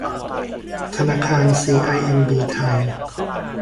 ธนาคารซีไอเอ็มบีไทย